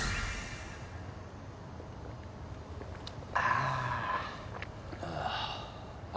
ああ。ああ。